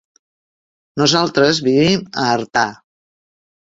Nosaltres vivim a Artà.